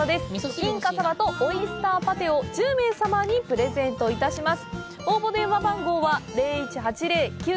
金華サバとオイスターパテを１０名様にプレゼントいたします。